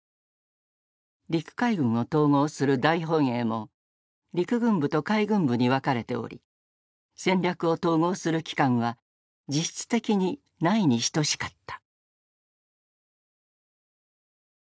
陸海軍を統合する大本営も陸軍部と海軍部に分かれており戦略を統合する機関は実質的にないに等しかった。